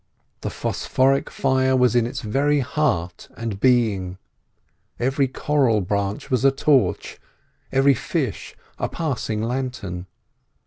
The phosphoric fire was in its very heart and being; every coral branch was a torch, every fish a passing lantern.